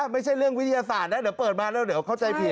ไม่ใช่เรื่องวิทยาศาสตร์นะเดี๋ยวเปิดมาแล้วเดี๋ยวเข้าใจผิด